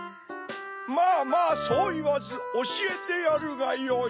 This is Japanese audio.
まぁまぁそういわずおしえてやるがよい。